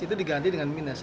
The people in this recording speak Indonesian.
itu diganti dengan minus